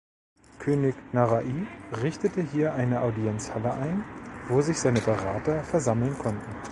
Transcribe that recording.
König Narai richtete hier eine Audienzhalle ein, wo sich seine Berater versammeln konnten.